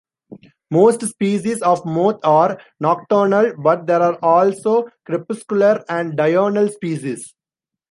Most species of moth are nocturnal, but there are also crepuscular and diurnal species.